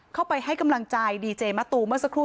เข้าไปให้กำลังใจดีเจมะตูมเมื่อสักครู่